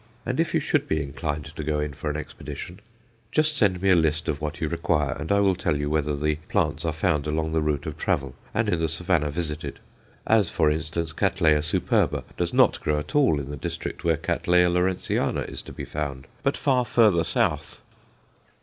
And if you should be inclined to go in for an expedition, just send me a list of what you require, and I will tell you whether the plants are found along the route of travel and in the Savannah visited; as, for instance, Catt. superba does not grow at all in the district where Catt. Lawrenceana is to be found, but far further south.